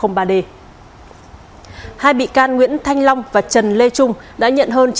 hai bị can nguyễn thanh long và trần lê trung đã nhận hơn chín trăm năm mươi ba